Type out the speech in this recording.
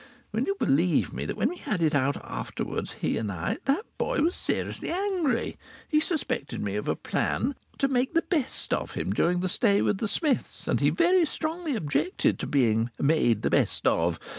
Will you believe me that when we "had it out" afterwards, he and I, that boy was seriously angry. He suspected me of a plan "to make the best of him" during the stay with the Smiths, and he very strongly objected to being "made the best of."